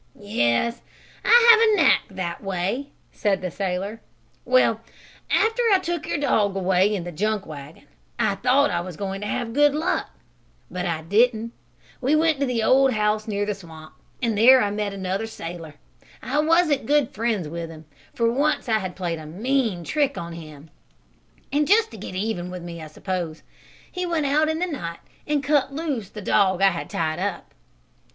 "Yes, I have a knack that way," said the sailor. "Well, after I took your dog away in the junk wagon I thought I was going to have good luck. But I didn't. We went to the old house near the swamp, and there I met another sailor. I wasn't good friends with him, for once I had played a mean trick on him. And, just to get even with me, I suppose, he went out in the night and cut loose the dog I had tied up."